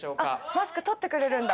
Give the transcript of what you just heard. マスク取ってくれるんだ。